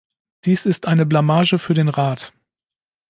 Dies ist eine Blamage für den Rat.